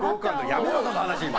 やめろ、その話、今。